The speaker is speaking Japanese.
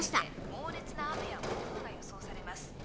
猛烈な雨や暴風が予想されます